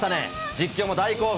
実況も大興奮。